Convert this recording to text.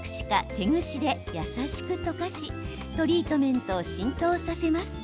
手ぐしで優しくとかしトリートメントを浸透させます。